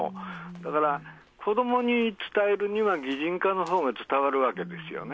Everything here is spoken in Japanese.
だから、子どもに伝えるには擬人化のほうが伝わるわけですよね。